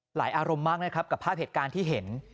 หลายอารมณ์มากกับภาพเหตุการณ์ที่เห็น